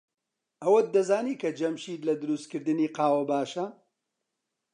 ئەوەت دەزانی کە جەمشید لە دروستکردنی قاوە باشە؟